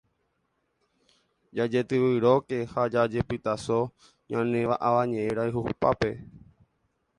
Jajetyvyróke ha jajepytaso ñane Avañeʼẽ rayhupápe.